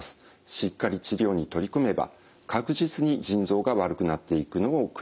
しっかり治療に取り組めば確実に腎臓が悪くなっていくのを食い止めることができます。